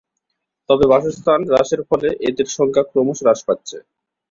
তবে বাসস্থান হ্রাসের ফলে এদের সংখ্যা ক্রমশ হ্রাস পাচ্ছে।